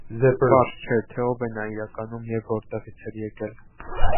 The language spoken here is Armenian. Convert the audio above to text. Պարզ չէ, թե ով էր նա իրականում և որտեղից էր եկել։